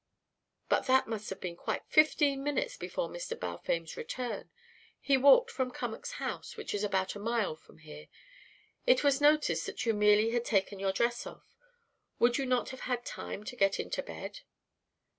"But that must have been quite fifteen minutes before Mr. Balfame's return. He walked from Cummack's house, which is about a mile from here. It was noticed that you merely had taken your dress off. Would you not have had time to get into bed?"